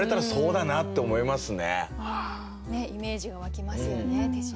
イメージが湧きますよね手品。